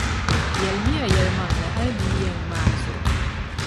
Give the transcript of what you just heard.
Yɛlimi ya yɛlimaŋli hali bɛ yi yan ŋma a zuɣu.